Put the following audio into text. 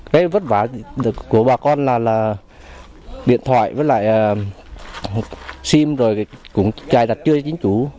cái vất vả của bà con là điện thoại với lại sim rồi cũng cài đặt chơi chính chủ